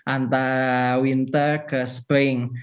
antara winter ke spring